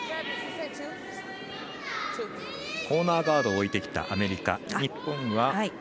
コーナーガードを置いてきたアメリカ。